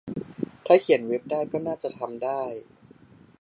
ถ้าเขียนเว็บได้ก็น่าจะทำได้